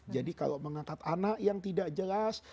jadi kalau mengangkat anak yang tidak jelas